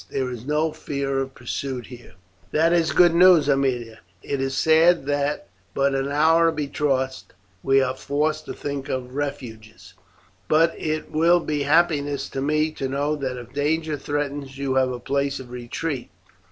There is no fear of pursuit there.'" "That is good news, Aemilia; it is sad that, but an hour betrothed, we are forced to think of refuges, but it will be happiness to me to know that if danger threatens, you have a place of retreat.